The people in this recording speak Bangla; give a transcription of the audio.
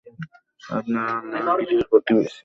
আপনারা আল্লাহর গৃহের প্রতিবেশী।